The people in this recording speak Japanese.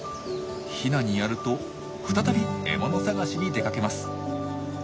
ヒナにやると再び獲物探しに出かけます。